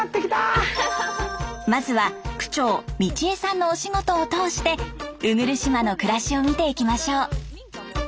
まずは区長美千枝さんのお仕事を通して鵜来島の暮らしを見ていきましょう。